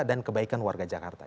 dan kebaikan warga jakarta